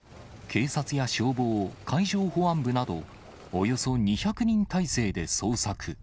警察や消防、海上保安部などおよそ２００人態勢で捜索。